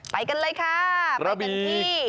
ไปกันเลยค่ะไปเต็มที่